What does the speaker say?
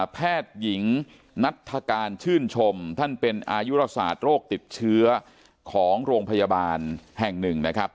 แพทย์หญิงนัฐการชื่นชมท่านเป็นอายุราศาสตร์โรคติดเชื้อของโรงพยาบาลแห่งหนึ่งนะครับ